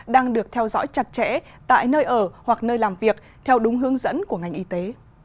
đang được theo dõi chặt chẽ tại nơi ở hoặc nơi làm việc theo đúng hướng dẫn của ngành y tế